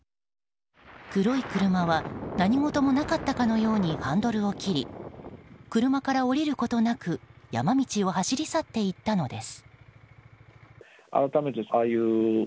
黒い車は何事もなかったかのようにハンドルを切り車から降りることなく山道を走り去っていったのです。